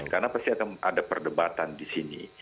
karena pasti ada perdebatan di sini